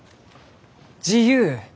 「自由」